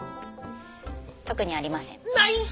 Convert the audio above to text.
特にありません。